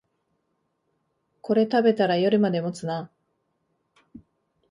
これ食べたら夜まで持つな